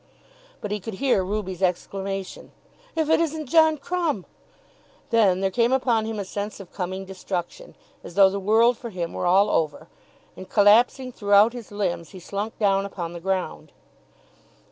But he could hear Ruby's exclamation, "If it isn't John Crumb!" Then there came upon him a sense of coming destruction, as though the world for him were all over; and, collapsing throughout his limbs, he slunk down upon the ground.